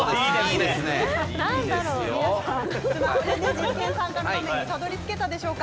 実験参加の画面にたどり着けたでしょうか。